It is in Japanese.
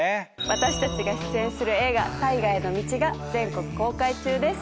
私たちが出演する映画『大河への道』が全国公開中です。